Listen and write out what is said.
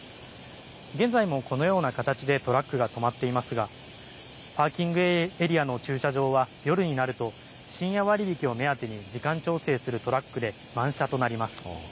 現在もこのような形でトラックが止まっていますが、パーキングエリアの駐車場は、夜になると、深夜割引を目当てに、時間調整するトラックで満車となります。